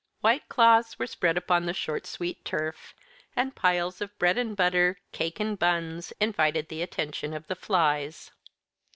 White cloths were spread upon the short sweet turf, and piles of bread and butter, cake and buns, invited the attention of the flies.